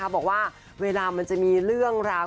บอกว่าเวลามันจะมีเรื่องราว